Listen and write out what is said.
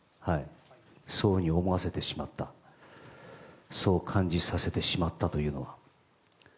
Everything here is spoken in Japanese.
そういうふうに思わせてしまったそう感じさせてしまったというのは。